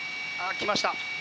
来ました。